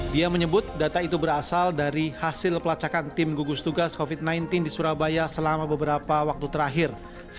dia menyebut data itu berasal dari hasil pelacakan tim gugus tugas covid sembilan belas di surabaya selama beberapa waktu terakhir